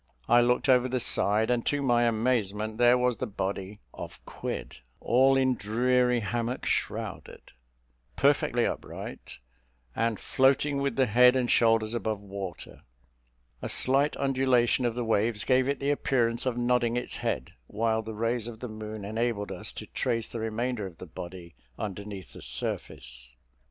I looked over the side, and, to my amazement there was the body of Quid, "All in dreary hammock shrouded," perfectly upright, and floating with the head and shoulders above water. A slight undulation of the waves gave it the appearance of nodding its head; while the rays of the moon enabled us to trace the remainder of the body underneath the surface.